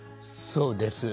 そうです。